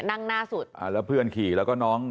นั่งหน้าสุดแล้วเพื่อนขี่แล้วก็น้อง